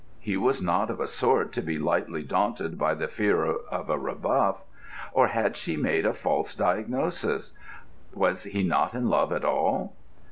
He was not of a sort to be lightly daunted by the fear of a rebuff. Or had she made a false diagnosis? Was he not in love at all?